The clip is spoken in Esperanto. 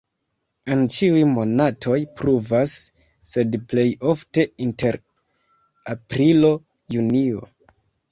En ĉiuj monatoj pluvas, sed plej ofte inter aprilo-junio.